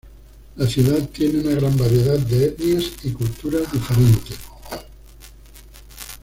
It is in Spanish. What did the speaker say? La ciudad tiene una gran variedad de etnias y culturas diferentes.